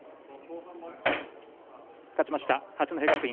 勝ちました、八戸学院